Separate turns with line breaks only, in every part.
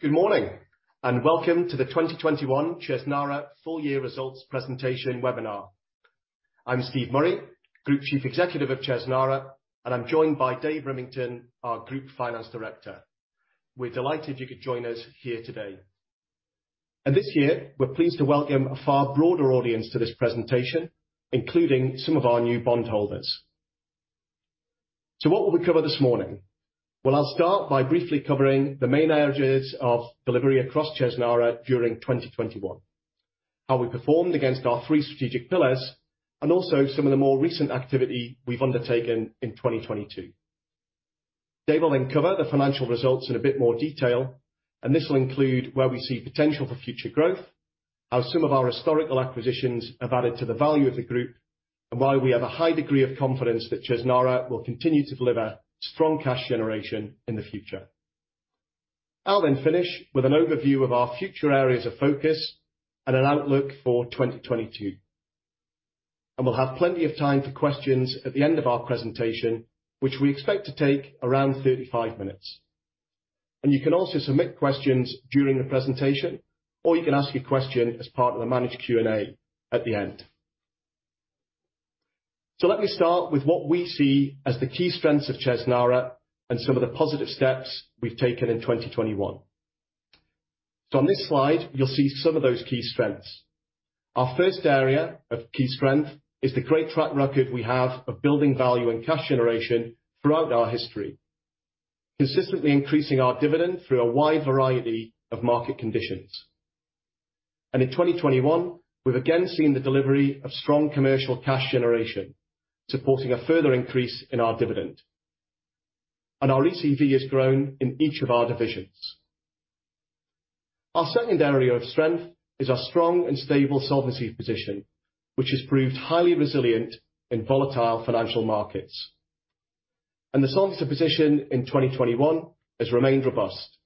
Good morning, and welcome to the 2021 Chesnara full year results presentation webinar. I'm Steve Murray, Group Chief Executive of Chesnara, and I'm joined by Dave Rimmington, our Group Finance Director. We're delighted you could join us here today. This year, we're pleased to welcome a far broader audience to this presentation, including some of our new bondholders. What will we cover this morning? Well, I'll start by briefly covering the main areas of delivery across Chesnara during 2021, how we performed against our three strategic pillars, and also some of the more recent activity we've undertaken in 2022. Dave will then cover the financial results in a bit more detail, and this will include where we see potential for future growth, how some of our historical acquisitions have added to the value of the group, and why we have a high degree of confidence that Chesnara will continue to deliver strong cash generation in the future. I'll then finish with an overview of our future areas of focus and an outlook for 2022. We'll have plenty of time for questions at the end of our presentation, which we expect to take around 35 minutes. You can also submit questions during the presentation, or you can ask your question as part of the managed Q&A at the end. Let me start with what we see as the key strengths of Chesnara and some of the positive steps we've taken in 2021. On this slide, you'll see some of those key strengths. Our first area of key strength is the great track record we have of building value and cash generation throughout our history, consistently increasing our dividend through a wide variety of market conditions. In 2021, we've again seen the delivery of strong commercial cash generation, supporting a further increase in our dividend. Our ECV has grown in each of our divisions. Our second area of strength is our strong and stable solvency position, which has proved highly resilient in volatile financial markets. The solvency position in 2021 has remained robust.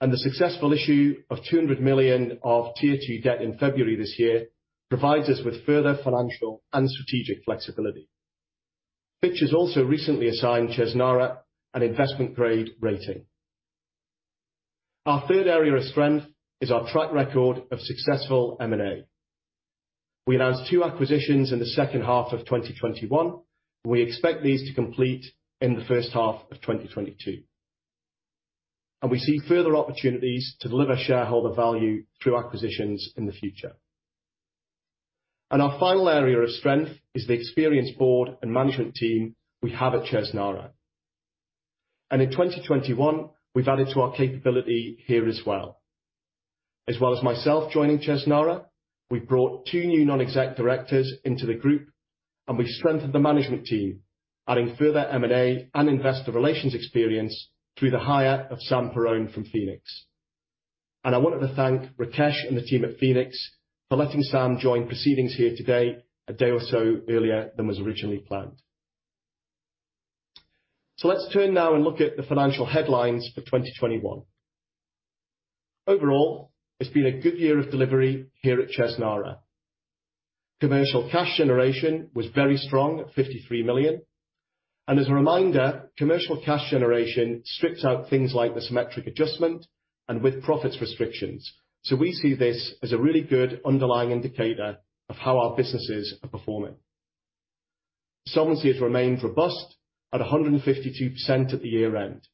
The successful issue of 200 million of Tier 2 debt in February this year provides us with further financial and strategic flexibility, which has also recently assigned Chesnara an investment grade rating. Our third area of strength is our track record of successful M&A. We announced two acquisitions in the second half of 2021. We expect these to complete in the first half of 2022. We see further opportunities to deliver shareholder value through acquisitions in the future. Our final area of strength is the experienced board and management team we have at Chesnara. In 2021, we've added to our capability here as well. As well as myself joining Chesnara, we've brought two new non-exec directors into the group, and we've strengthened the management team, adding further M&A and investor relations experience through the hire of Sam Perowne from Phoenix. I wanted to thank Rakesh and the team at Phoenix for letting Sam join proceedings here today, a day or so earlier than was originally planned. Let's turn now and look at the financial headlines for 2021. Overall, it's been a good year of delivery here at Chesnara. Commercial cash generation was very strong at 53 million. As a reminder, commercial cash generation strips out things like the symmetric adjustment and with profits restrictions. We see this as a really good underlying indicator of how our businesses are performing. Solvency has remained robust at 152% at the year-end.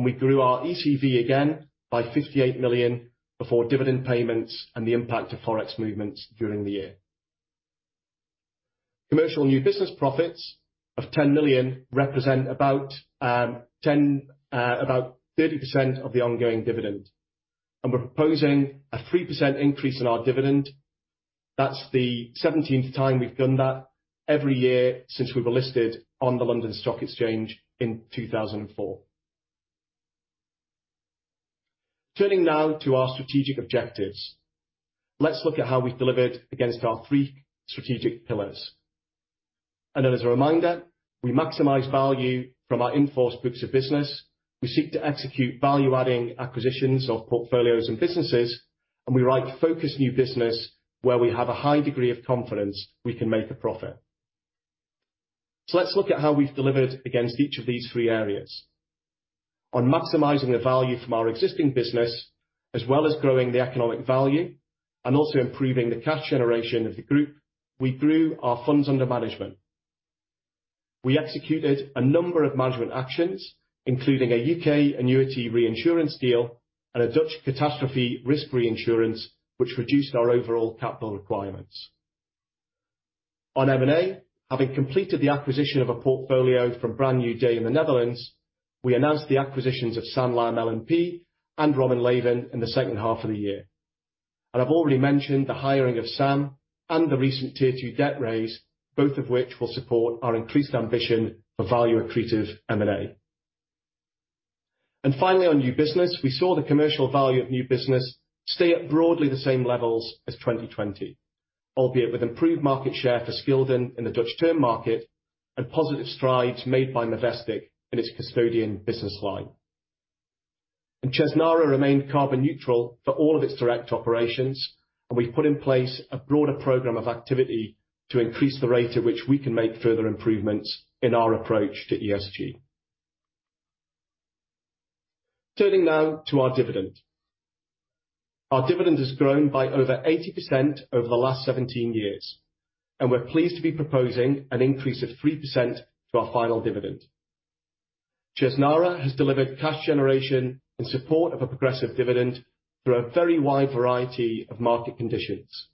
We grew our ECV again by 58 million before dividend payments and the impact of Forex movements during the year. Commercial new business profits of 10 million represent about, 10, about 30% of the ongoing dividend. We're proposing a 3% increase in our dividend. That's the 17th time we've done that every year since we were listed on the London Stock Exchange in 2004. Turning now to our strategic objectives, let's look at how we've delivered against our three strategic pillars. As a reminder, we maximize value from our in-force books of business, we seek to execute value-adding acquisitions of portfolios and businesses, and we write focused new business where we have a high degree of confidence we can make a profit. Let's look at how we've delivered against each of these three areas. On maximizing the value from our existing business, as well as growing the economic value and also improving the cash generation of the group, we grew our funds under management. We executed a number of management actions, including a U.K. annuity reinsurance deal and a Dutch catastrophe risk reinsurance, which reduced our overall capital requirements. On M&A, having completed the acquisition of a portfolio from Brand New Day in the Netherlands, we announced the acquisitions of Sanlam L&P and Robein Leven in the second half of the year. I've already mentioned the hiring of Sam and the recent Tier 2 debt raise, both of which will support our increased ambition for value-accretive M&A. Finally, on new business, we saw the commercial value of new business stay at broadly the same levels as 2020, albeit with improved market share for Scildon in the Dutch term market and positive strides made by Movestic in its custodian business line. Chesnara remained carbon neutral for all of its direct operations, and we've put in place a broader program of activity to increase the rate at which we can make further improvements in our approach to ESG. Turning now to our dividend. Our dividend has grown by over 80% over the last 17 years, and we're pleased to be proposing an increase of 3% to our final dividend. Chesnara has delivered cash generation in support of a progressive dividend through a very wide variety of market conditions.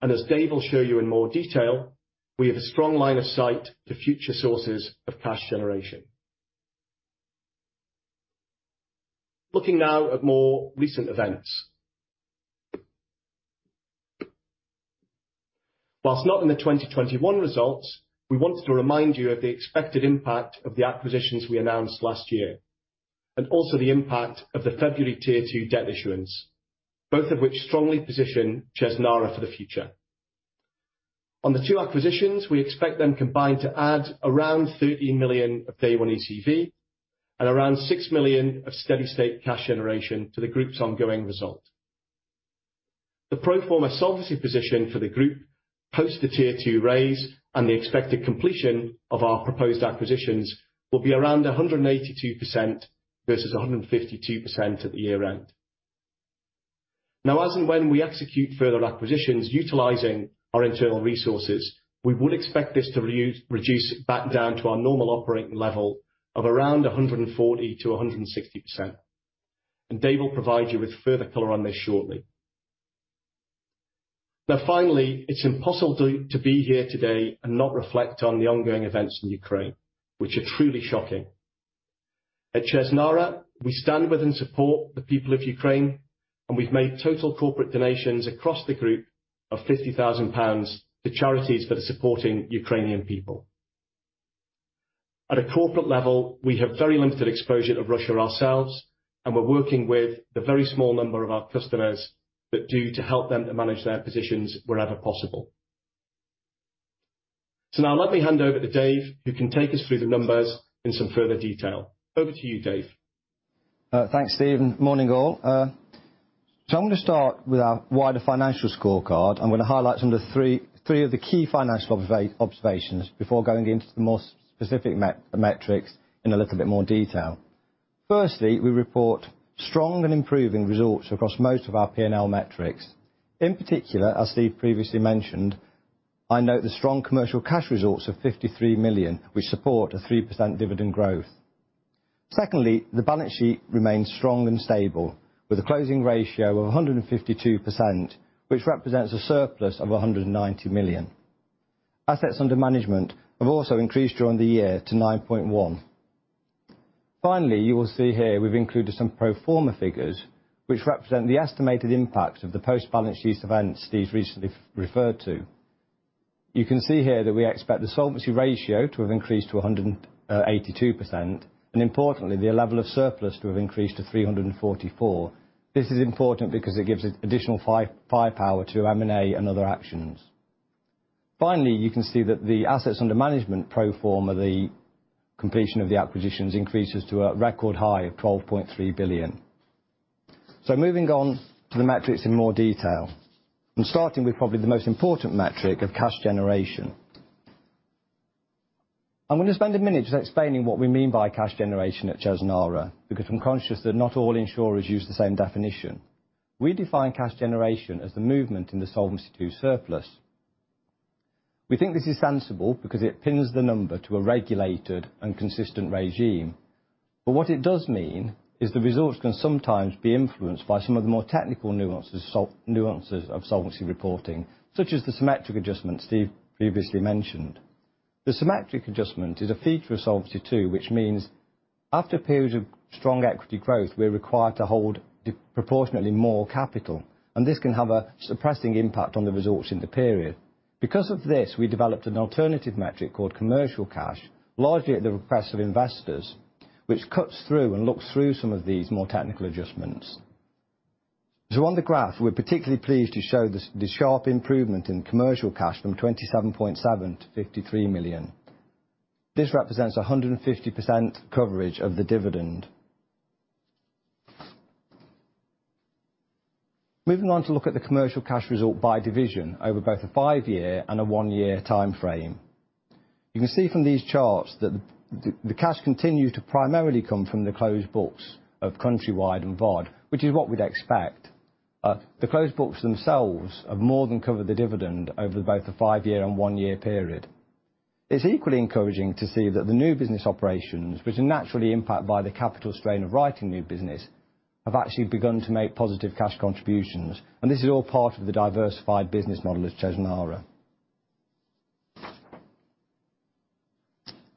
As Dave will show you in more detail, we have a strong line of sight to future sources of cash generation. Looking now at more recent events. While not in the 2021 results, we want to remind you of the expected impact of the acquisitions we announced last year, and also the impact of the February Tier 2 debt issuance, both of which strongly position Chesnara for the future. On the two acquisitions, we expect them combined to add around 13 million of day one ECV and around 6 million of steady-state cash generation to the group's ongoing result. The pro forma solvency position for the group post the Tier 2 raise and the expected completion of our proposed acquisitions will be around 182% versus 152% at the year-end. Now, as and when we execute further acquisitions utilizing our internal resources, we would expect this to reduce back down to our normal operating level of around 140%-160%. David Rimmington will provide you with further color on this shortly. Now, finally, it's impossible to be here today and not reflect on the ongoing events in Ukraine, which are truly shocking. At Chesnara, we stand with and support the people of Ukraine, and we've made total corporate donations across the group of 50,000 pounds to charities that are supporting Ukrainian people. At a corporate level, we have very limited exposure to Russia ourselves, and we're working with the very small number of our customers that do to help them to manage their positions wherever possible. Now let me hand over to David Rimmington, who can take us through the numbers in some further detail. Over to you, David Rimmington.
Thanks, Steve, and morning, all. I'm gonna start with our wider financial scorecard. I'm gonna highlight some of the three key financial observations before going into the more specific metrics in a little bit more detail. Firstly, we report strong and improving results across most of our P&L metrics. In particular, as Steve previously mentioned, I note the strong commercial cash results of 53 million, which support a 3% dividend growth. Secondly, the balance sheet remains strong and stable with a closing ratio of 152%, which represents a surplus of 190 million. Assets under management have also increased during the year to 9.1 billion. Finally, you will see here we've included some pro forma figures, which represent the estimated impact of the post-balance sheet events Steve recently referred to. You can see here that we expect the solvency ratio to have increased to 182%, and importantly, the level of surplus to have increased to 344. This is important because it gives it additional firepower to M&A and other actions. Finally, you can see that the assets under management pro forma the completion of the acquisitions increases to a record high of 12.3 billion. Moving on to the metrics in more detail, and starting with probably the most important metric of cash generation. I'm gonna spend a minute just explaining what we mean by cash generation at Chesnara, because I'm conscious that not all insurers use the same definition. We define cash generation as the movement in the Solvency II surplus. We think this is sensible because it pins the number to a regulated and consistent regime. What it does mean is the results can sometimes be influenced by some of the more technical nuances of solvency reporting, such as the symmetric adjustment Steve previously mentioned. The symmetric adjustment is a feature of Solvency II, which means after a period of strong equity growth, we're required to hold proportionately more capital, and this can have a suppressing impact on the results in the period. Because of this, we developed an alternative metric called commercial cash, largely at the request of investors, which cuts through and looks through some of these more technical adjustments. On the graph, we're particularly pleased to show the sharp improvement in commercial cash from 27.7 million to 53 million. This represents 150% coverage of the dividend. Moving on to look at the commercial cash result by division over both a five-year and a one-year timeframe. You can see from these charts that the cash continued to primarily come from the closed books of Countrywide and Waard, which is what we'd expect. The closed books themselves have more than covered the dividend over both the five-year and one-year period. It's equally encouraging to see that the new business operations, which are naturally impacted by the capital strain of writing new business, have actually begun to make positive cash contributions, and this is all part of the diversified business model of Chesnara.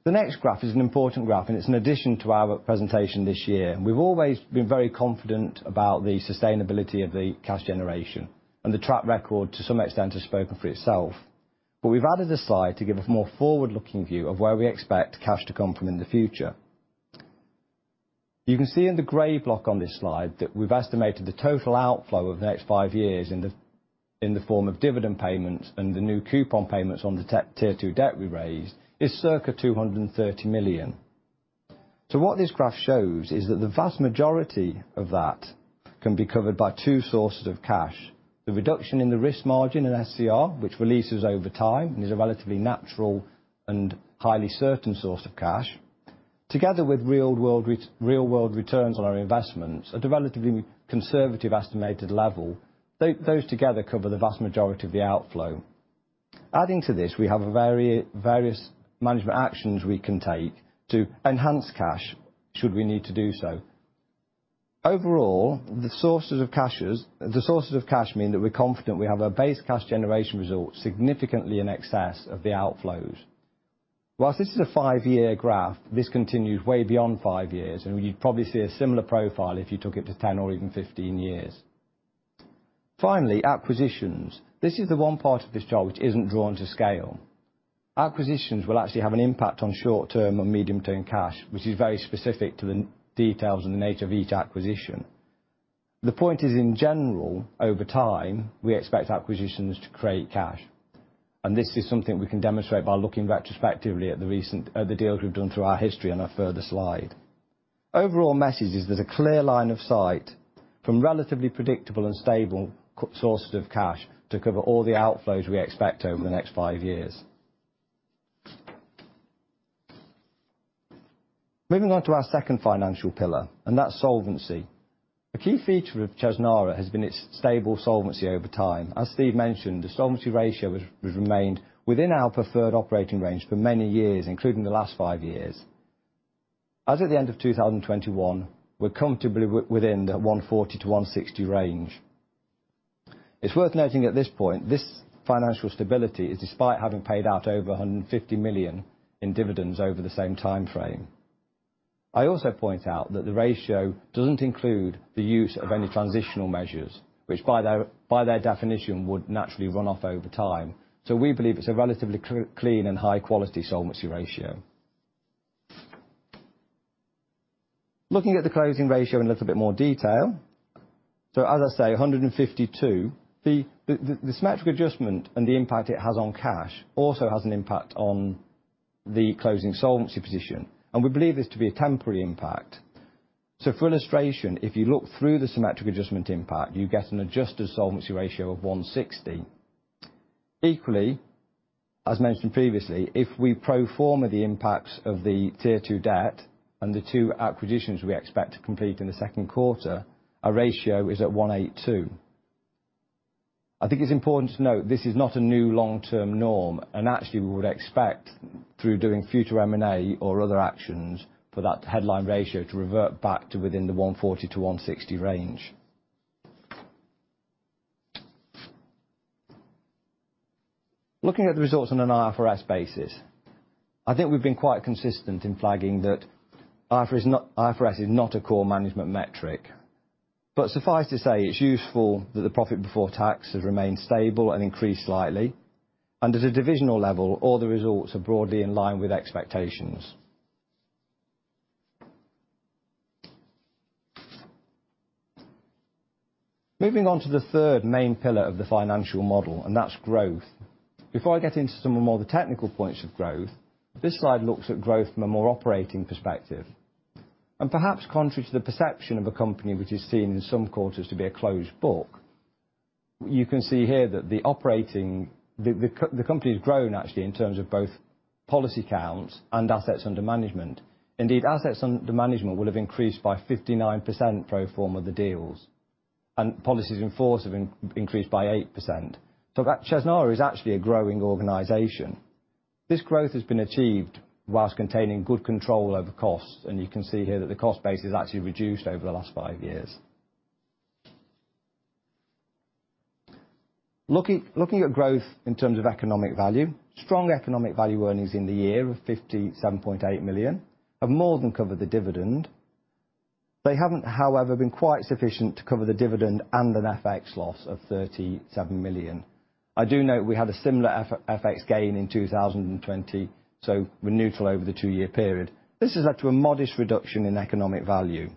The next graph is an important graph, and it's an addition to our presentation this year. We've always been very confident about the sustainability of the cash generation and the track record to some extent has spoken for itself. We've added this slide to give a more forward-looking view of where we expect cash to come from in the future. You can see in the gray block on this slide that we've estimated the total outflow over the next 5 years in the form of dividend payments and the new coupon payments on the Tier 2 debt we raised is circa 230 million. What this graph shows is that the vast majority of that can be covered by two sources of cash. The reduction in the risk margin in SCR, which releases over time and is a relatively natural and highly certain source of cash, together with real world returns on our investments at a relatively conservative estimated level. Those together cover the vast majority of the outflow. Adding to this, we have various management actions we can take to enhance cash should we need to do so. Overall, the sources of cash mean that we're confident we have our base cash generation results significantly in excess of the outflows. While this is a 5-year graph, this continues way beyond 5 years, and we'd probably see a similar profile if you took it to 10 or even 15 years. Finally, acquisitions. This is the one part of this chart which isn't drawn to scale. Acquisitions will actually have an impact on short-term and medium-term cash, which is very specific to the details and the nature of each acquisition. The point is, in general, over time, we expect acquisitions to create cash. This is something we can demonstrate by looking retrospectively at the deals we've done through our history on a further slide. Overall message is there's a clear line of sight from relatively predictable and stable cash sources of cash to cover all the outflows we expect over the next five years. Moving on to our second financial pillar, that's solvency. A key feature of Chesnara has been its stable solvency over time. As Steve mentioned, the solvency ratio has remained within our preferred operating range for many years, including the last five years. As at the end of 2021, we're comfortably within the 140%-160% range. It's worth noting at this point, this financial stability is despite having paid out over 150 million in dividends over the same timeframe. I also point out that the ratio doesn't include the use of any transitional measures, which by their definition, would naturally run off over time. We believe it's a relatively clean and high quality solvency ratio. Looking at the closing ratio in a little bit more detail. As I say, 152%. The symmetric adjustment and the impact it has on cash also has an impact on the closing solvency position, and we believe this to be a temporary impact. For illustration, if you look through the symmetric adjustment impact, you get an adjusted solvency ratio of 160%. Equally, as mentioned previously, if we pro forma the impacts of the Tier 2 debt and the two acquisitions we expect to complete in the second quarter, our ratio is at 182%. I think it's important to note, this is not a new long-term norm, and actually, we would expect through doing future M&A or other actions, for that headline ratio to revert back to within the 140-160 range. Looking at the results on an IFRS basis, I think we've been quite consistent in flagging that IFRS is not a core management metric. Suffice to say, it's useful that the profit before tax has remained stable and increased slightly. Under the divisional level, all the results are broadly in line with expectations. Moving on to the third main pillar of the financial model, and that's growth. Before I get into some of the more technical points of growth, this slide looks at growth from a more operating perspective. Perhaps contrary to the perception of a company which is seen in some quarters to be a closed book, you can see here that the company's grown actually in terms of both policy counts and assets under management. Indeed, assets under management will have increased by 59% pro forma the deals. Policies in force have increased by 8%. Chesnara is actually a growing organization. This growth has been achieved while maintaining good control over costs, and you can see here that the cost base has actually reduced over the last five years. Looking at growth in terms of economic value, strong economic value earnings in the year of 57.8 million have more than covered the dividend. They haven't, however, been quite sufficient to cover the dividend and an FX loss of 37 million. I do note we had a similar FX gain in 2020, so we're neutral over the two-year period. This is up to a modest reduction in economic value.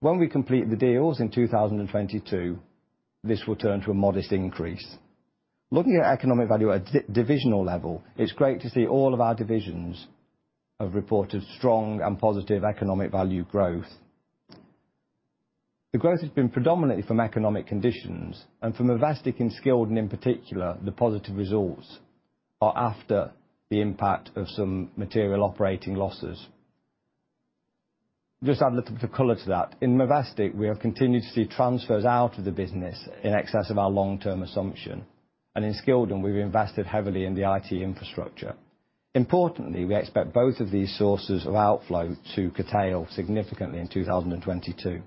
When we complete the deals in 2022, this will turn to a modest increase. Looking at economic value at divisional level, it's great to see all of our divisions have reported strong and positive economic value growth. The growth has been predominantly from economic conditions and from Movestic and Scildon. In particular, the positive results are after the impact of some material operating losses. Just add a little bit of color to that. In Movestic, we have continued to see transfers out of the business in excess of our long-term assumption. In Scildon, we've invested heavily in the IT infrastructure. Importantly, we expect both of these sources of outflow to curtail significantly in 2022.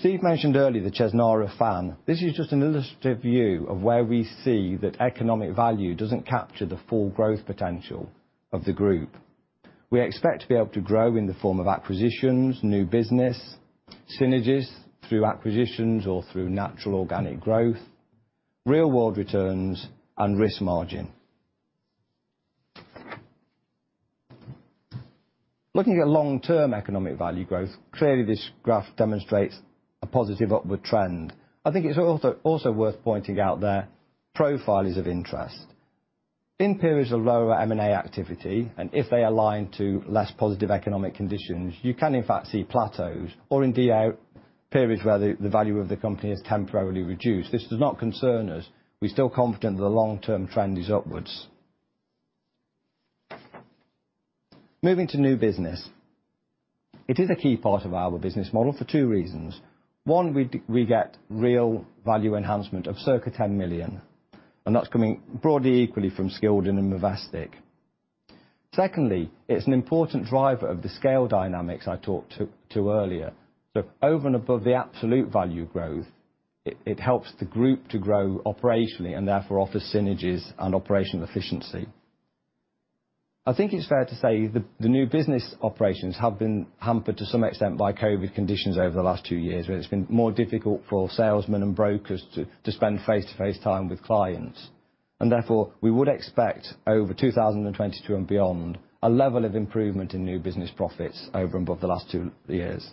Steve mentioned earlier the Chesnara Fan. This is just an illustrative view of where we see that economic value doesn't capture the full growth potential of the group. We expect to be able to grow in the form of acquisitions, new business, synergies through acquisitions or through natural organic growth, real world returns, and risk margin. Looking at long-term economic value growth, clearly this graph demonstrates a positive upward trend. I think it's also worth pointing out there, profile is of interest. In periods of lower M&A activity, and if they align to less positive economic conditions, you can in fact see plateaus or indeed out periods where the value of the company is temporarily reduced. This does not concern us. We're still confident the long-term trend is upwards. Moving to new business. It is a key part of our business model for two reasons. One, we get real value enhancement of circa 10 million, and that's coming broadly equally from Scildon and Movestic. Secondly, it's an important driver of the scale dynamics I talked to earlier. Over and above the absolute value growth, it helps the group to grow operationally and therefore offers synergies and operational efficiency. I think it's fair to say the new business operations have been hampered to some extent by COVID conditions over the last two years, where it's been more difficult for salesmen and brokers to spend face-to-face time with clients. Therefore, we would expect over 2022 and beyond, a level of improvement in new business profits over and above the last two years.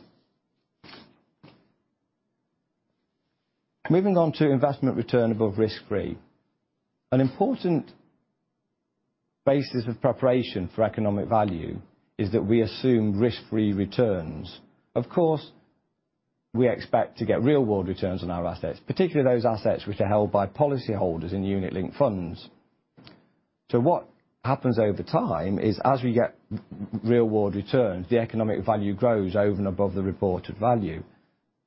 Moving on to investment return above risk-free. An important basis of preparation for economic value is that we assume risk-free returns. Of course, we expect to get real-world returns on our assets, particularly those assets which are held by policy holders in unit link funds. What happens over time is, as we get real world returns, the economic value grows over and above the reported value.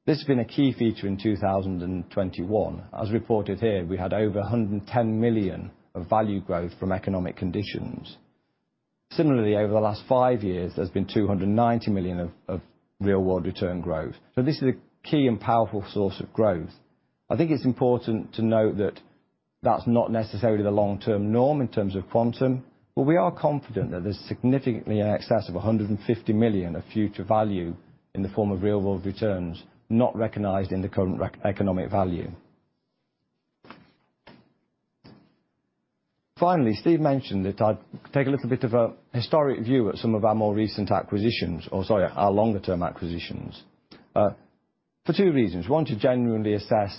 This has been a key feature in 2021. As reported here, we had over 110 million of value growth from economic conditions. Similarly, over the last five years, there's been 290 million of real-world return growth. This is a key and powerful source of growth. I think it's important to note that that's not necessarily the long-term norm in terms of quantum, but we are confident that there's significantly in excess of 150 million of future value in the form of real-world returns, not recognized in the current economic value. Finally, Steve mentioned that I'd take a little bit of a historic view at some of our more recent acquisitions. Or sorry, our longer term acquisitions, for two reasons. One, to genuinely assess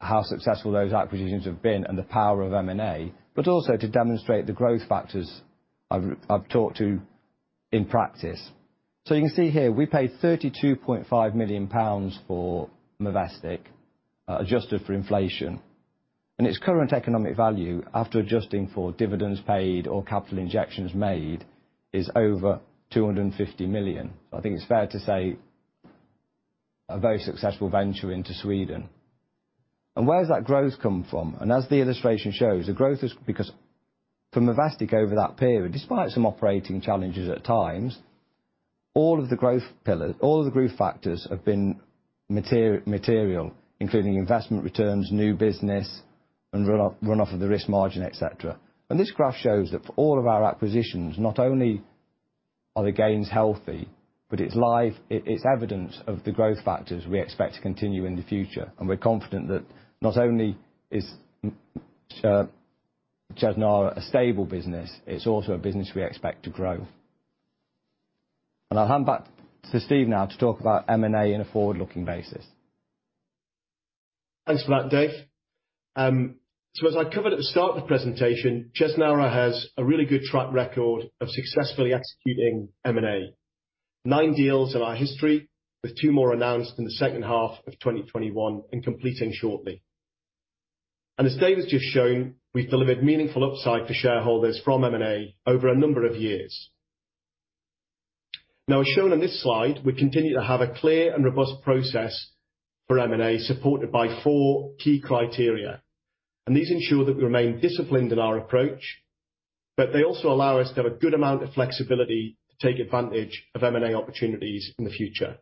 how successful those acquisitions have been and the power of M&A, but also to demonstrate the growth factors I've talked to in practice. You can see here, we paid 32.5 million pounds for Movestic, adjusted for inflation. Its current economic value, after adjusting for dividends paid or capital injections made, is over 250 million. I think it's fair to say, a very successful venture into Sweden. Where has that growth come from? As the illustration shows, the growth is because from Movestic over that period, despite some operating challenges at times, all of the growth pillars, all of the growth factors have been material, including investment returns, new business, and run off of the risk margin, et cetera. This graph shows that for all of our acquisitions, not only are the gains healthy, but it's evidence of the growth factors we expect to continue in the future. We're confident that not only is Chesnara a stable business, it's also a business we expect to grow. I'll hand back to Steve now to talk about M&A in a forward-looking basis.
Thanks for that, Dave. As I covered at the start of the presentation, Chesnara has a really good track record of successfully executing M&A. Nine deals in our history, with two more announced in the second half of 2021 and completing shortly. As Dave has just shown, we've delivered meaningful upside for shareholders from M&A over a number of years. Now, as shown on this slide, we continue to have a clear and robust process for M&A, supported by four key criteria. These ensure that we remain disciplined in our approach, but they also allow us to have a good amount of flexibility to take advantage of M&A opportunities in the future.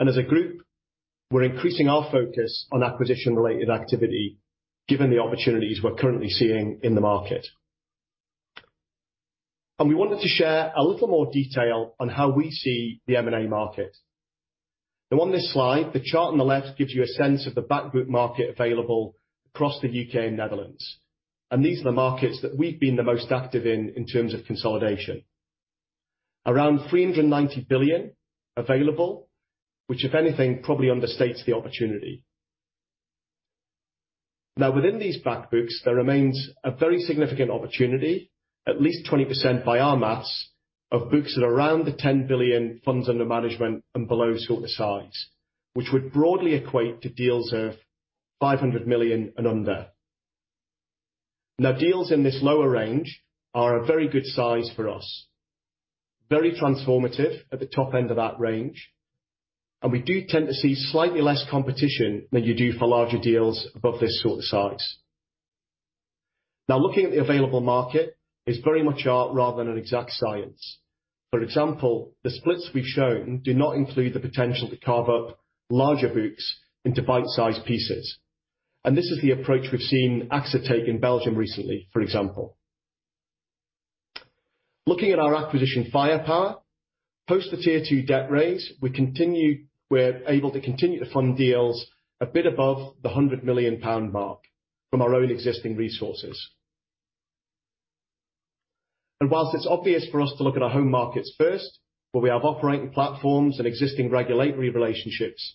As a group, we're increasing our focus on acquisition-related activity given the opportunities we're currently seeing in the market. We wanted to share a little more detail on how we see the M&A market. Now on this slide, the chart on the left gives you a sense of the back book market available across the U.K. and Netherlands. These are the markets that we've been the most active in terms of consolidation. Around 390 billion available, which if anything, probably understates the opportunity. Now within these back books, there remains a very significant opportunity, at least 20% by our math, of books at around the 10 billion funds under management and below sort of size, which would broadly equate to deals of 500 million and under. Now, deals in this lower range are a very good size for us, very transformative at the top end of that range, and we do tend to see slightly less competition than you do for larger deals above this sort of size. Now, looking at the available market is very much art rather than an exact science. For example, the splits we've shown do not include the potential to carve up larger books into bite-sized pieces. This is the approach we've seen AXA take in Belgium recently, for example. Looking at our acquisition firepower. Post the Tier 2 debt raise, we're able to continue to fund deals a bit above the 100 million pound mark from our own existing resources. While it's obvious for us to look at our home markets first, where we have operating platforms and existing regulatory relationships,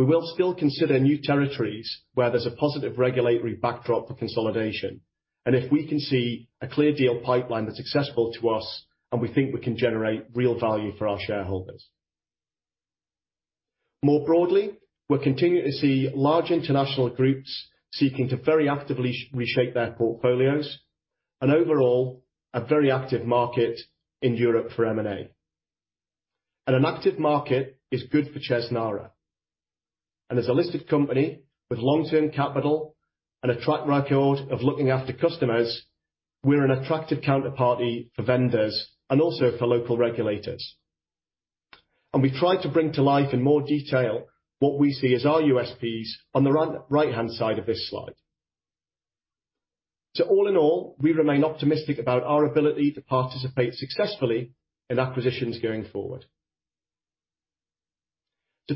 we will still consider new territories where there's a positive regulatory backdrop for consolidation and if we can see a clear deal pipeline that's successful to us, and we think we can generate real value for our shareholders. More broadly, we're continuing to see large international groups seeking to very actively reshape their portfolios and overall, a very active market in Europe for M&A. An active market is good for Chesnara. As a listed company with long-term capital and a track record of looking after customers, we're an attractive counterparty for vendors and also for local regulators. We try to bring to life in more detail what we see as our USPs on the right-hand side of this slide. All in all, we remain optimistic about our ability to participate successfully in acquisitions going forward.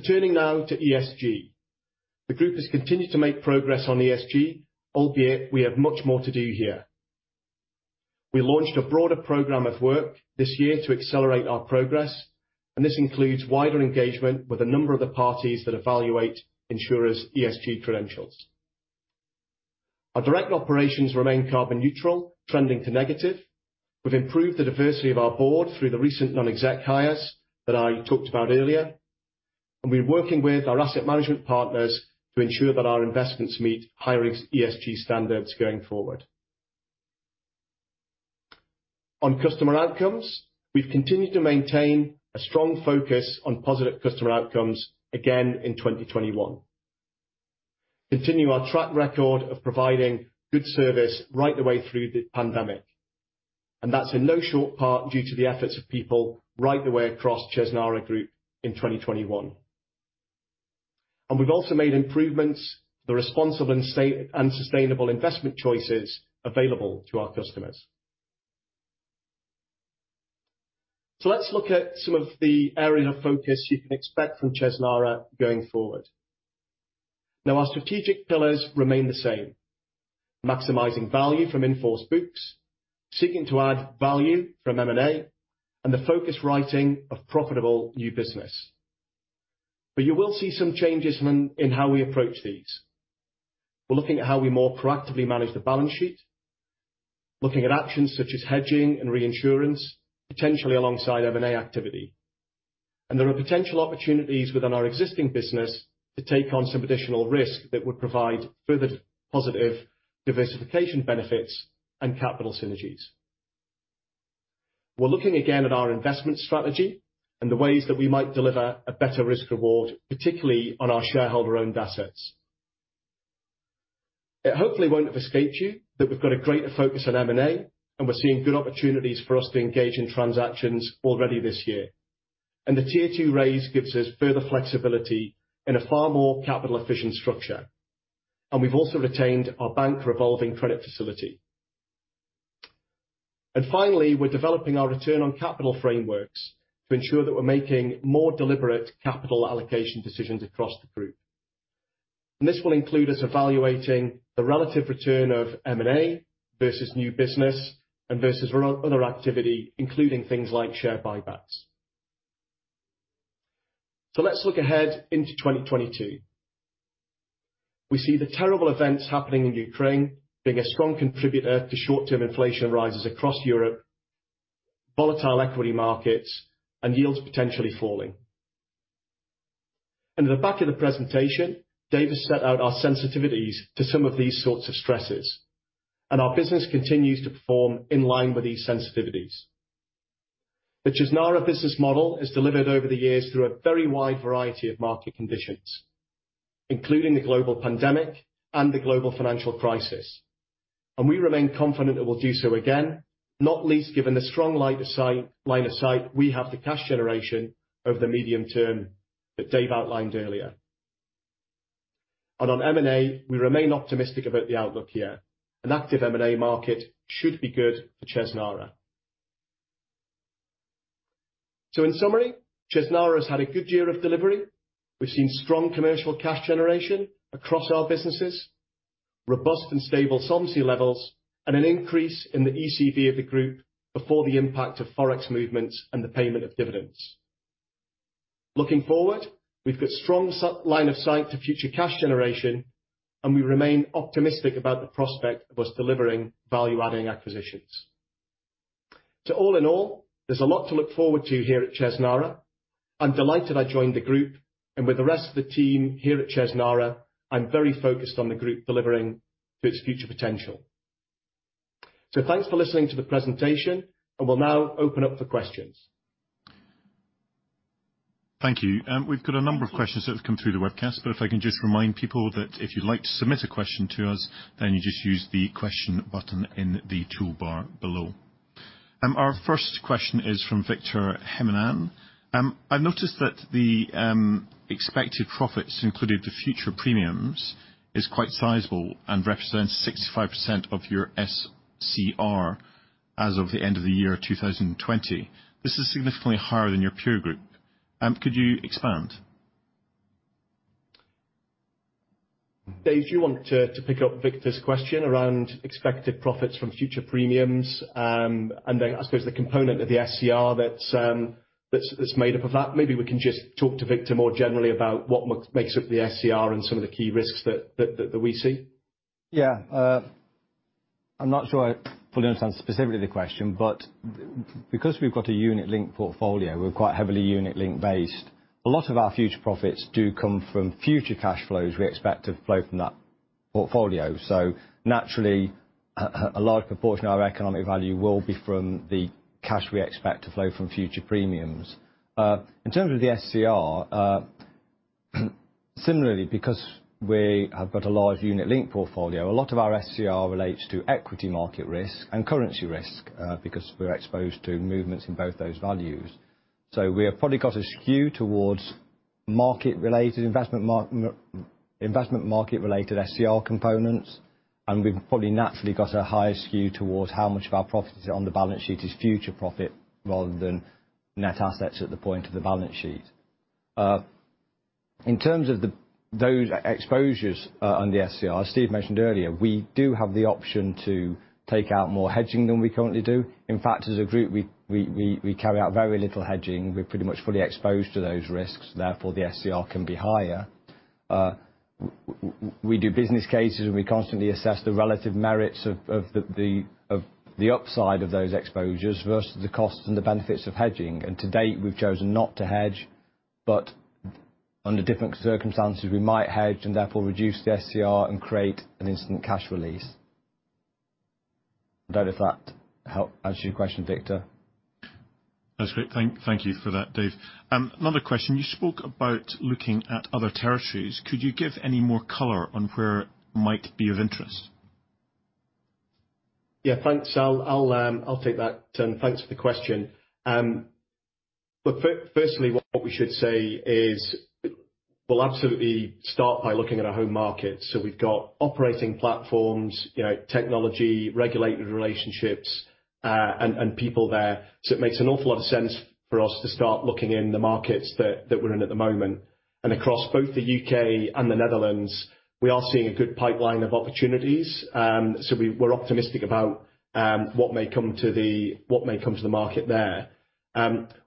Turning now to ESG. The group has continued to make progress on ESG, albeit we have much more to do here. We launched a broader program of work this year to accelerate our progress, and this includes wider engagement with a number of the parties that evaluate insurers' ESG credentials. Our direct operations remain carbon neutral, trending to negative. We've improved the diversity of our Board through the recent non-exec hires that I talked about earlier. We're working with our asset management partners to ensure that our investments meet higher ESG standards going forward. On customer outcomes, we've continued to maintain a strong focus on positive customer outcomes again in 2021, continue our track record of providing good service right the way through the pandemic. That's in no short part due to the efforts of people right the way across Chesnara Group in 2021. We've also made improvements to the responsible and sustainable investment choices available to our customers. Let's look at some of the area of focus you can expect from Chesnara going forward. Our strategic pillars remain the same. Maximizing value from in-force books, seeking to add value from M&A, and the focused writing of profitable new business. You will see some changes in how we approach these. We're looking at how we more proactively manage the balance sheet, looking at actions such as hedging and reinsurance, potentially alongside M&A activity. There are potential opportunities within our existing business to take on some additional risk that would provide further positive diversification benefits and capital synergies. We're looking again at our investment strategy and the ways that we might deliver a better risk reward, particularly on our shareholder-owned assets. It hopefully won't have escaped you that we've got a greater focus on M&A, and we're seeing good opportunities for us to engage in transactions already this year. The Tier 2 raise gives us further flexibility in a far more capital-efficient structure. We've also retained our bank revolving credit facility. Finally, we're developing our return on capital frameworks to ensure that we're making more deliberate capital allocation decisions across the group. This will include us evaluating the relative return of M&A versus new business and versus other activity, including things like share buybacks. Let's look ahead into 2022. We see the terrible events happening in Ukraine being a strong contributor to short-term inflation rises across Europe, volatile equity markets, and yields potentially falling. At the back of the presentation, Dave has set out our sensitivities to some of these sorts of stresses, and our business continues to perform in line with these sensitivities. The Chesnara business model has delivered over the years through a very wide variety of market conditions, including the global pandemic and the global financial crisis. We remain confident that we'll do so again, not least given the strong line of sight we have to cash generation over the medium term that Dave outlined earlier. On M&A, we remain optimistic about the outlook here. An active M&A market should be good for Chesnara. In summary, Chesnara's had a good year of delivery. We've seen strong commercial cash generation across our businesses, robust and stable solvency levels, and an increase in the ECV of the group before the impact of Forex movements and the payment of dividends. Looking forward, we've got strong line of sight to future cash generation, and we remain optimistic about the prospect of us delivering value-adding acquisitions. All in all, there's a lot to look forward to here at Chesnara. I'm delighted I joined the group, and with the rest of the team here at Chesnara, I'm very focused on the group delivering to its future potential. Thanks for listening to the presentation, and we'll now open up for questions.
Thank you. We've got a number of questions that have come through the webcast, but if I can just remind people that if you'd like to submit a question to us, then you just use the Question button in the toolbar below. Our first question is from Victor Himènez. I've noticed that the expected profits including the future premiums is quite sizable and represents 65% of your SCR as of the end of the year 2020. This is significantly higher than your peer group. Could you expand?
Dave, do you want to pick up Victor's question around expected profits from future premiums? I suppose the component of the SCR that's made up of that. Maybe we can just talk to Victor more generally about what makes up the SCR and some of the key risks that we see.
Yeah. I'm not sure I fully understand specifically the question, but because we've got a unit-linked portfolio, we're quite heavily unit-linked based, a lot of our future profits do come from future cash flows we expect to flow from that portfolio. Naturally, a large proportion of our economic value will be from the cash we expect to flow from future premiums. In terms of the SCR, similarly, because we have got a large unit-linked portfolio, a lot of our SCR relates to equity market risk and currency risk, because we're exposed to movements in both those values. We have probably got a skew towards market-related investment SCR components, and we've probably naturally got a higher skew towards how much of our profits on the balance sheet is future profit rather than net assets at the point of the balance sheet. In terms of those exposures on the SCR, as Steve mentioned earlier, we do have the option to take out more hedging than we currently do. In fact, as a group, we carry out very little hedging. We're pretty much fully exposed to those risks, therefore, the SCR can be higher. We do business cases, and we constantly assess the relative merits of the upside of those exposures versus the costs and the benefits of hedging. To date, we've chosen not to hedge, but under different circumstances we might hedge and therefore reduce the SCR and create an instant cash release. I don't know if that helps answer your question, Victor.
That's great. Thank you for that, Dave. Another question. You spoke about looking at other territories. Could you give any more color on where might be of interest?
Yeah, thanks. I'll take that. Thanks for the question. Firstly, what we should say is we'll absolutely start by looking at our home market. We've got operating platforms, you know, technology, regulated relationships, and people there. It makes an awful lot of sense for us to start looking in the markets that we're in at the moment. Across both the U.K. and the Netherlands, we are seeing a good pipeline of opportunities. We're optimistic about what may come to the market there.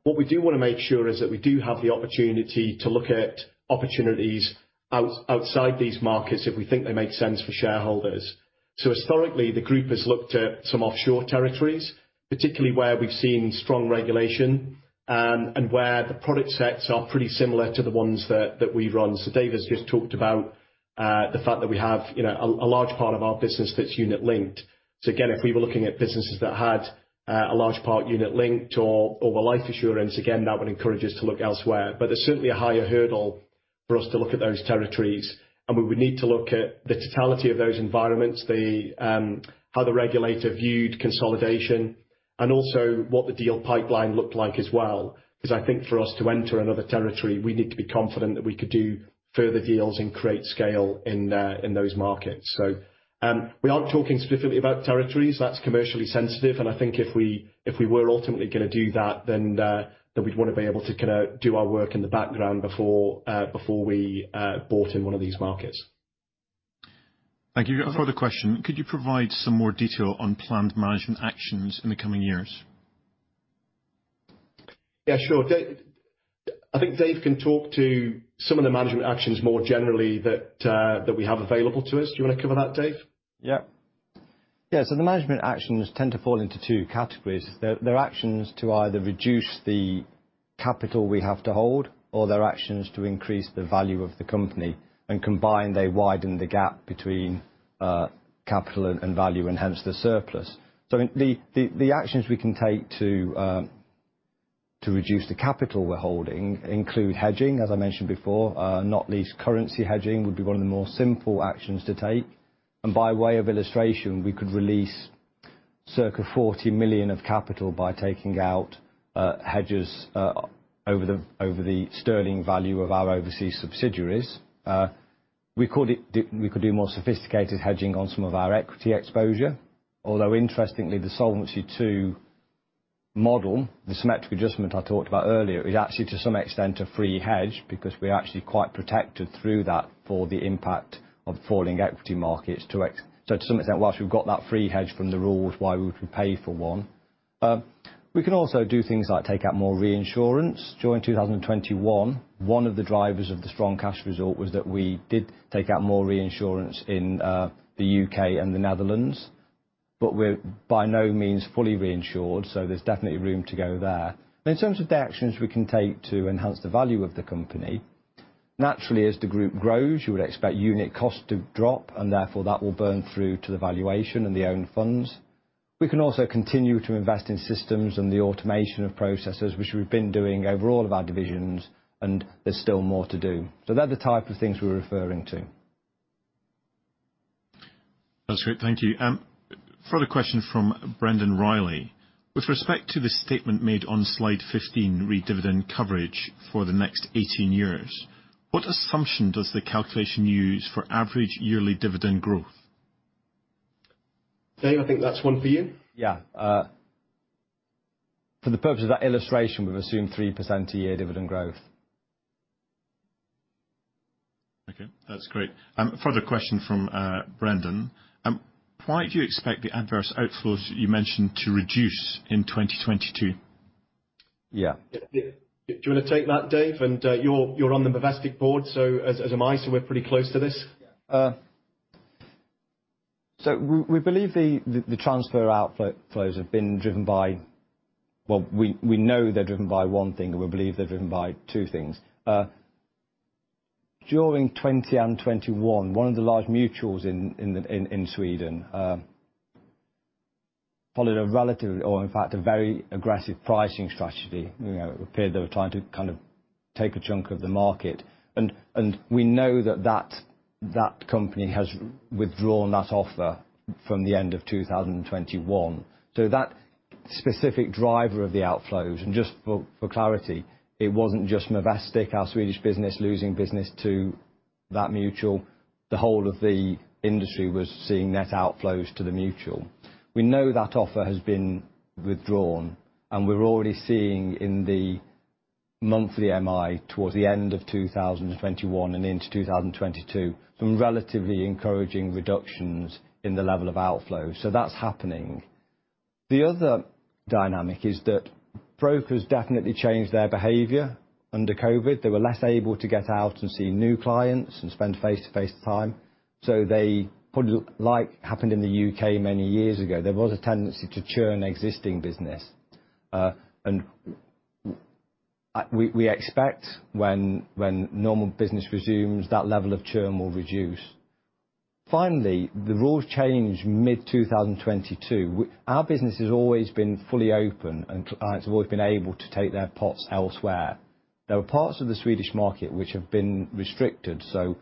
What we do wanna make sure is that we do have the opportunity to look at opportunities outside these markets if we think they make sense for shareholders. Historically, the group has looked at some offshore territories, particularly where we've seen strong regulation, and where the product sets are pretty similar to the ones that we run. Dave has just talked about the fact that we have, you know, a large part of our business that's unit-linked. Again, if we were looking at businesses that had a large part unit-linked or were life insurance, that would encourage us to look elsewhere. But there's certainly a higher hurdle for us to look at those territories, and we would need to look at the totality of those environments, how the regulator viewed consolidation, and also what the deal pipeline looked like as well. 'Cause I think for us to enter another territory, we need to be confident that we could do further deals and create scale in those markets. We aren't talking specifically about territories. That's commercially sensitive, and I think if we were ultimately gonna do that, then we'd wanna be able to kinda do our work in the background before we bought in one of these markets.
Thank you. A further question. Could you provide some more detail on planned management actions in the coming years?
Yeah, sure. I think Dave can talk to some of the management actions more generally that we have available to us. Do you wanna cover that, Dave?
The management actions tend to fall into two categories. They're actions to either reduce the capital we have to hold, or they're actions to increase the value of the company. Combined, they widen the gap between capital and value and hence the surplus. The actions we can take to reduce the capital we're holding include hedging, as I mentioned before. Not least, currency hedging would be one of the more simple actions to take. By way of illustration, we could release circa 40 million of capital by taking out hedges over the sterling value of our overseas subsidiaries. We could do more sophisticated hedging on some of our equity exposure, although interestingly, the Solvency II model, the symmetric adjustment I talked about earlier, is actually to some extent a free hedge because we're actually quite protected through that for the impact of falling equity markets. So to some extent, whilst we've got that free hedge from the rules, why would we pay for one? We can also do things like take out more reinsurance. During 2021, one of the drivers of the strong cash result was that we did take out more reinsurance in the U.K. and the Netherlands, but we're by no means fully reinsured, so there's definitely room to go there. In terms of the actions we can take to enhance the value of the company, naturally, as the group grows, you would expect unit cost to drop, and therefore that will burn through to the valuation and the own funds. We can also continue to invest in systems and the automation of processes, which we've been doing over all of our divisions, and there's still more to do. They're the type of things we're referring to.
That's great. Thank you. Further question from Brendan Riley. With respect to the statement made on slide 15, re dividend coverage for the next 18 years, what assumption does the calculation use for average yearly dividend growth?
Dave, I think that's one for you.
Yeah. For the purpose of that illustration, we've assumed 3% a year dividend growth.
Okay, that's great. Further question from Brendan. Why do you expect the adverse outflows you mentioned to reduce in 2022?
Yeah.
Do you wanna take that, Dave? You're on the Movestic Board, so as am I, so we're pretty close to this.
We believe the transfer outflows have been driven by. Well, we know they're driven by one thing, and we believe they're driven by two things. During 2020 and 2021, one of the large mutuals in Sweden followed a relatively, or in fact a very aggressive pricing strategy. You know, it appeared they were trying to kind of take a chunk of the market. We know that company has withdrawn that offer from the end of 2021. That specific driver of the outflows, and just for clarity, it wasn't just Movestic, our Swedish business, losing business to that mutual. The whole of the industry was seeing net outflows to the mutual. We know that offer has been withdrawn, and we're already seeing in the monthly MI towards the end of 2021 and into 2022, some relatively encouraging reductions in the level of outflow. That's happening. The other dynamic is that brokers definitely changed their behavior under COVID. They were less able to get out and see new clients and spend face-to-face time. They probably looked like what happened in the U.K. many years ago. There was a tendency to churn existing business. We expect when normal business resumes, that level of churn will reduce. Finally, the rules change mid-2022. Our business has always been fully open, and clients have always been able to take their pots elsewhere. There were parts of the Swedish market which have been restricted, so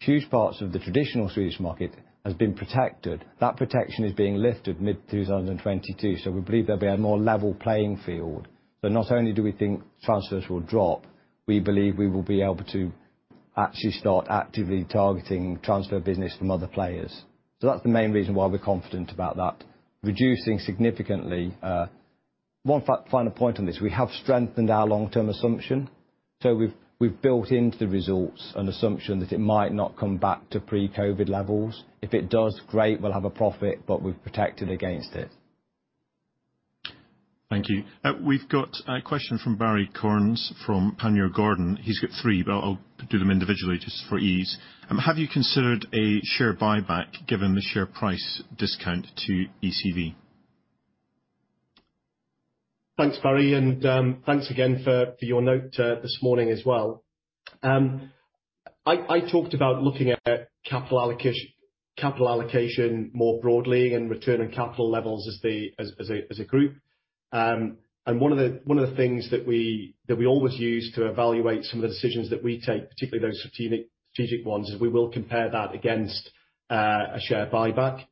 huge parts of the traditional Swedish market has been protected. That protection is being lifted mid-2022, so we believe there'll be a more level playing field. Not only do we think transfers will drop, we believe we will be able to actually start actively targeting transfer business from other players. That's the main reason why we're confident about that, reducing significantly. One final point on this. We have strengthened our long-term assumption. We've built into the results an assumption that it might not come back to pre-COVID levels. If it does, great, we'll have a profit, but we've protected against it.
Thank you. We've got a question from Barrie Cornes from Panmure Gordon. He's got three, but I'll do them individually just for ease. Have you considered a share buyback given the share price discount to ECV?
Thanks, Barrie, and thanks again for your note this morning as well. I talked about looking at capital allocation more broadly and return on capital levels as a group. One of the things that we always use to evaluate some of the decisions that we take, particularly those strategic ones, is we will compare that against a share buyback.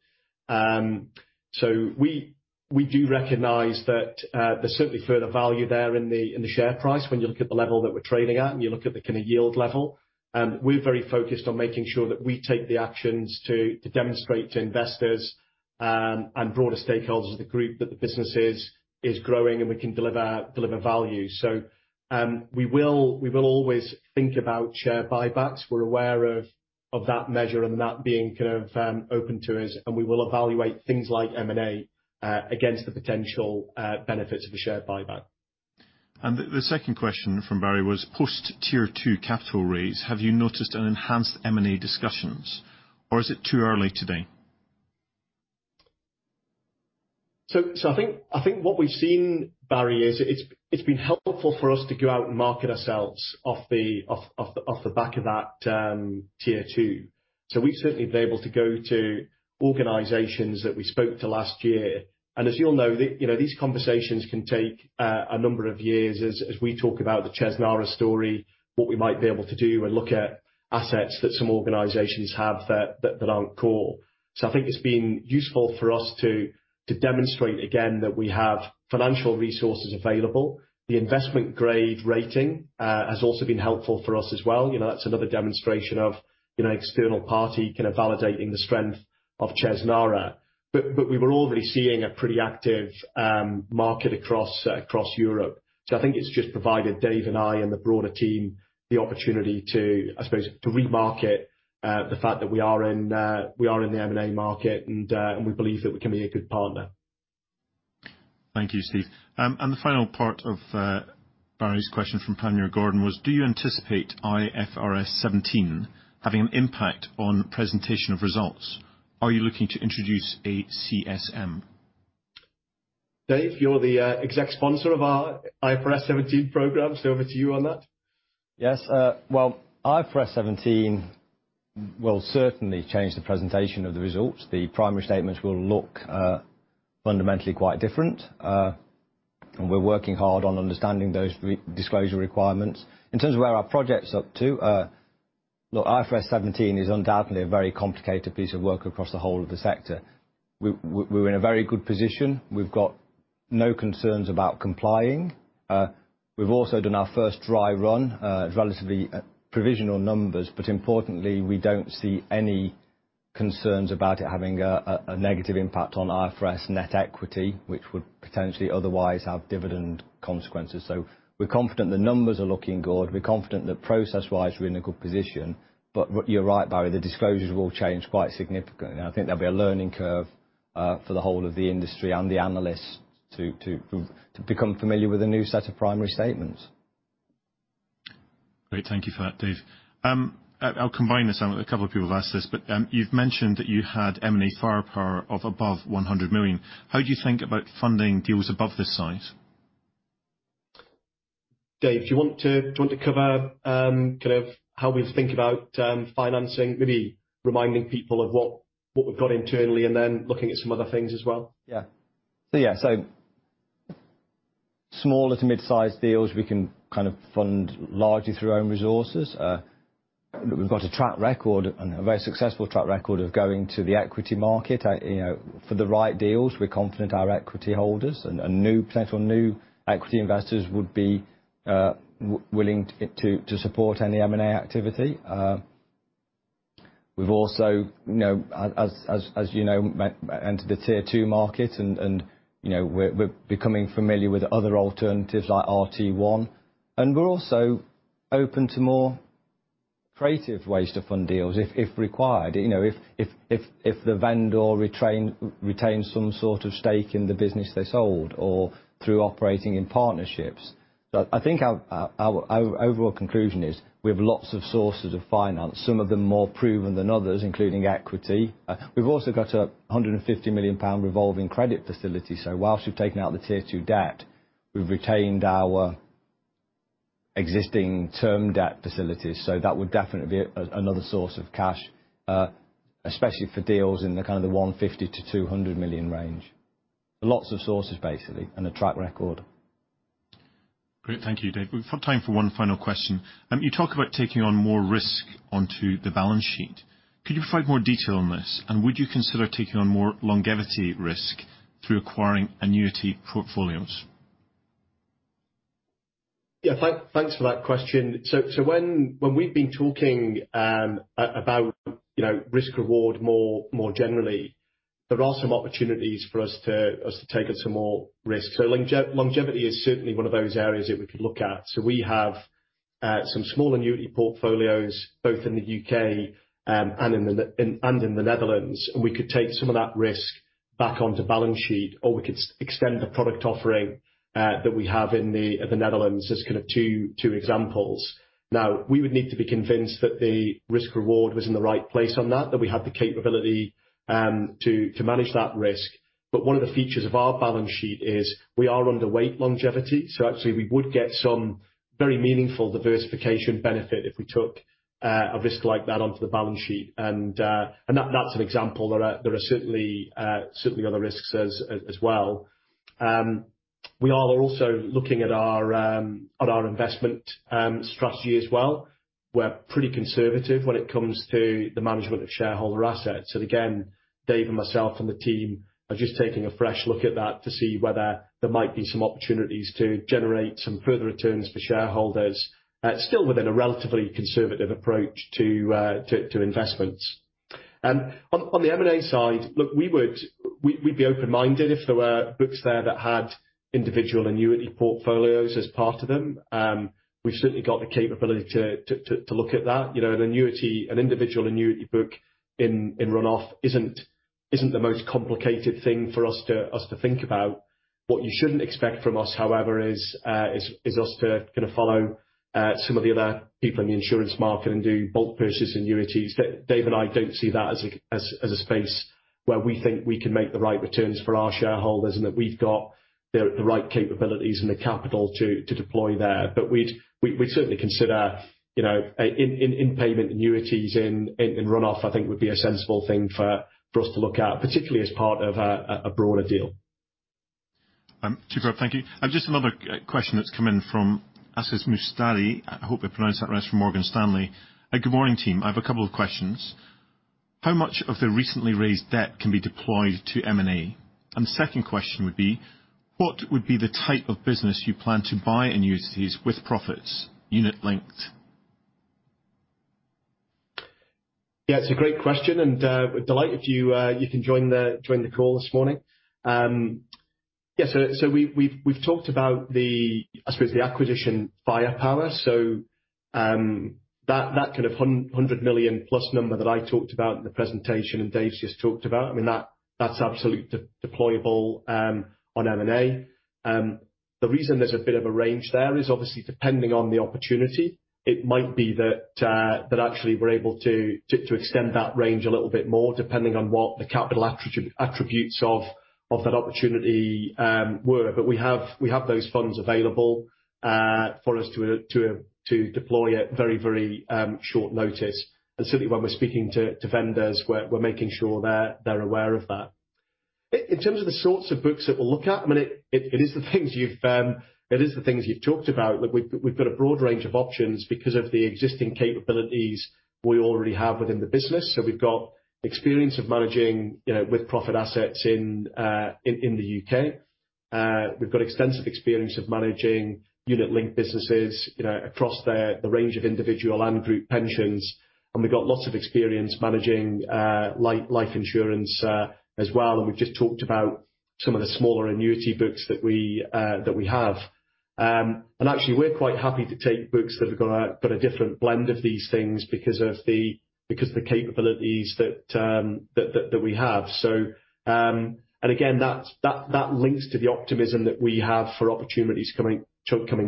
We do recognize that there's certainly further value there in the share price when you look at the level that we're trading at and you look at the kinda yield level. We're very focused on making sure that we take the actions to demonstrate to investors and broader stakeholders of the group that the business is growing and we can deliver value. We will always think about share buybacks. We're aware of that measure and that being kind of open to us, and we will evaluate things like M&A against the potential benefits of a share buyback.
The second question from Barrie Cornes was post Tier 2 capital raise, have you noticed an enhanced M&A discussions or is it too early to be?
I think what we've seen, Barry, is it's been helpful for us to go out and market ourselves off the back of that Tier 2. We've certainly been able to go to organizations that we spoke to last year. As you all know, you know, these conversations can take a number of years as we talk about the Chesnara story, what we might be able to do and look at assets that some organizations have that aren't core. I think it's been useful for us to demonstrate again that we have financial resources available. The investment-grade rating has also been helpful for us as well. You know, that's another demonstration of, you know, external party kind of validating the strength of Chesnara. We were already seeing a pretty active market across Europe. I think it's just provided Dave and I and the broader team the opportunity to, I suppose, to remarket the fact that we are in the M&A market and we believe that we can be a good partner.
Thank you, Steve. The final part of Barrie Cornes's question from Panmure Gordon was, do you anticipate IFRS 17 having an impact on presentation of results? Are you looking to introduce a CSM?
David Rimmington, you're the exec sponsor of our IFRS 17 program, so over to you on that.
Yes. Well, IFRS 17 will certainly change the presentation of the results. The primary statements will look, fundamentally quite different. We're working hard on understanding those disclosure requirements. In terms of where our project's up to, IFRS 17 is undoubtedly a very complicated piece of work across the whole of the sector. We're in a very good position. We've got no concerns about complying. We've also done our first dry run, relatively provisional numbers, but importantly, we don't see any concerns about it having a negative impact on IFRS net equity, which would potentially otherwise have dividend consequences. We're confident the numbers are looking good. We're confident that process-wise we're in a good position. You're right, Barrie, the disclosures will change quite significantly. I think there'll be a learning curve for the whole of the industry and the analysts to become familiar with the new set of primary statements.
Great. Thank you for that, Dave. I'll combine this. A couple of people have asked this, but you've mentioned that you had M&A firepower of above 100 million. How do you think about funding deals above this size?
Dave, do you want to cover kind of how we think about financing, maybe reminding people of what we've got internally and then looking at some other things as well?
Small to mid-size deals we can kind of fund largely through own resources. We've got a very successful track record of going to the equity market. You know, for the right deals, we're confident our equity holders and potential new equity investors would be willing to support any M&A activity. We've also, you know, as you know, entered the Tier 2 market and you know, we're becoming familiar with other alternatives like RT1. We're also open to more creative ways to fund deals if the vendor retains some sort of stake in the business they sold or through operating in partnerships. I think our overall conclusion is we have lots of sources of finance, some of them more proven than others, including equity. We've also got a 150 million pound revolving credit facility. While we've taken out the Tier 2 debt, we've retained our existing term debt facilities. That would definitely be another source of cash, especially for deals in the kind of the 150 million-200 million range. Lots of sources, basically, and a track record.
Great. Thank you, Dave. We've got time for one final question. You talk about taking on more risk onto the balance sheet. Could you provide more detail on this, and would you consider taking on more longevity risk through acquiring annuity portfolios?
Thanks for that question. When we've been talking about, you know, risk reward more generally, there are some opportunities for us to take on some more risk. Longevity is certainly one of those areas that we could look at. We have some small annuity portfolios both in the U.K. and in the Netherlands. We could take some of that risk back onto balance sheet or we could extend the product offering that we have in the Netherlands as kind of two examples. Now, we would need to be convinced that the risk reward was in the right place on that we had the capability to manage that risk. One of the features of our balance sheet is we are underweight longevity, so actually we would get some very meaningful diversification benefit if we took a risk like that onto the balance sheet. That's an example. There are certainly other risks as well. We are also looking at our investment strategy as well. We're pretty conservative when it comes to the management of shareholder assets. Again, Dave and myself and the team are just taking a fresh look at that to see whether there might be some opportunities to generate some further returns for shareholders, still within a relatively conservative approach to investments. On the M&A side, look, we'd be open-minded if there were books there that had individual annuity portfolios as part of them. We've certainly got the capability to look at that. You know, an individual annuity book in run-off isn't the most complicated thing for us to think about. What you shouldn't expect from us, however, is us to kinda follow some of the other people in the insurance market and do bulk purchase annuities. Dave and I don't see that as a space where we think we can make the right returns for our shareholders and that we've got the right capabilities and the capital to deploy there. We'd certainly consider, you know, bulk purchase annuities in run-off. I think it would be a sensible thing for us to look at, particularly as part of a broader deal.
Super. Thank you. Just another question that's come in from Aziz Mustali. I hope I pronounced that right. It's from Morgan Stanley. Good morning, team. I have a couple of questions. How much of the recently raised debt can be deployed to M&A? The second question would be, what would be the type of business you plan to buy annuities with-profits, unit-linked?
Yeah, it's a great question, and we're delighted you can join the call this morning. We've talked about the, I suppose, the acquisition firepower. That kind of 100 million+ number that I talked about in the presentation and Dave's just talked about, I mean, that's absolutely deployable on M&A. The reason there's a bit of a range there is obviously depending on the opportunity, it might be that we're able to extend that range a little bit more depending on what the capital attributes of that opportunity were. We have those funds available for us to deploy at very short notice. Certainly when we're speaking to vendors, we're making sure they're aware of that. In terms of the sorts of books that we'll look at, I mean, it is the things you've talked about. Look, we've got a broad range of options because of the existing capabilities we already have within the business. We've got experience of managing, you know, with profit assets in the U.K. We've got extensive experience of managing unit-linked businesses, you know, across the range of individual and group pensions. We've got lots of experience managing life insurance as well, and we've just talked about some of the smaller annuity books that we have. Actually, we're quite happy to take books that have got a different blend of these things because of the capabilities that we have. Again, that links to the optimism that we have for opportunities coming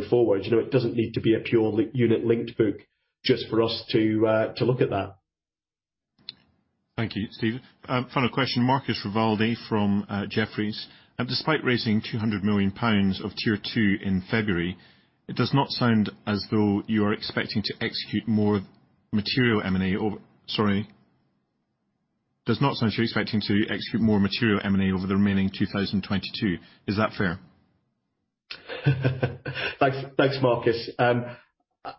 forward. You know, it doesn't need to be a pure unit-linked book just for us to look at that.
Thank you, Steve. Final question, Marcus Rivaldi from Jefferies. Despite raising 200 million pounds of Tier 2 in February, it does not sound as though you are expecting to execute more material M&A over the remaining 2022. Is that fair?
Thanks, Marcus.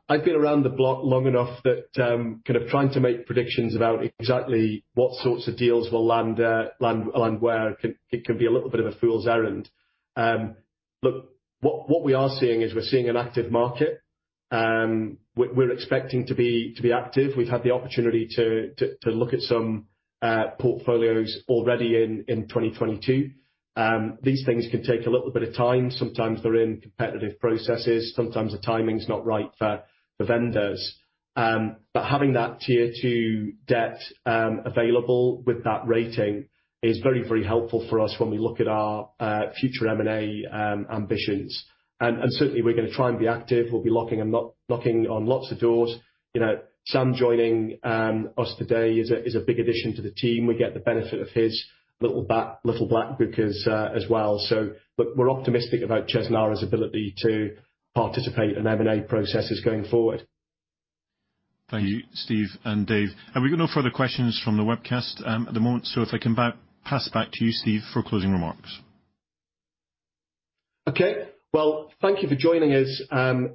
I've been around the block long enough that kind of trying to make predictions about exactly what sorts of deals will land. It can be a little bit of a fool's errand. Look, what we are seeing is we're seeing an active market. We're expecting to be active. We've had the opportunity to look at some portfolios already in 2022. These things can take a little bit of time. Sometimes they're in competitive processes, sometimes the timing's not right for vendors. Having that Tier 2 debt available with that rating is very, very helpful for us when we look at our future M&A ambitions. Certainly we're gonna try and be active. We'll be knocking on lots of doors. You know, Sam joining us today is a big addition to the team. We get the benefit of his little black book as well. Look, we're optimistic about Chesnara's ability to participate in M&A processes going forward.
Thank you, Steve and Dave. We've got no further questions from the webcast at the moment. If I can pass back to you, Steve, for closing remarks.
Okay. Well, thank you for joining us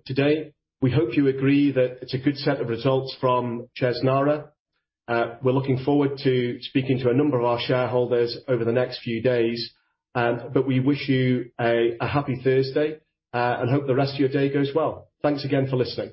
today. We hope you agree that it's a good set of results from Chesnara. We're looking forward to speaking to a number of our shareholders over the next few days. We wish you a happy Thursday, and hope the rest of your day goes well. Thanks again for listening.